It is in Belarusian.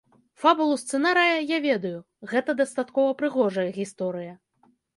Фабулу сцэнарыя я ведаю, гэта дастаткова прыгожая гісторыя.